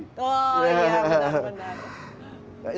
oh iya benar benar